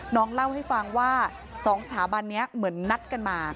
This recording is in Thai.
น้องเล่าให้ฟังว่า๒สถาบันนี้เหมือนนัดกันมา